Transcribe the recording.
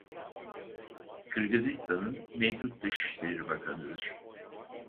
Kırgızistan'ın mevcut dışişleri bakanıdır.